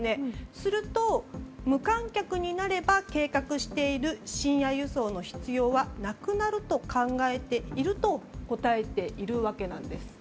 すると、無観客になれば計画している深夜輸送の必要はなくなると考えてるというわけです。